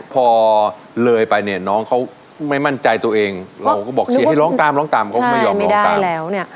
พอเลยไปเนี่ยน้องเขาไม่มั่นใจตัวเองเราก็บอกให้ร้องตามเขาก็ไม่ยอมร้องตาม